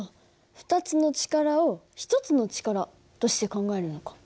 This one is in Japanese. ２つの力を１つの力として考えるのか。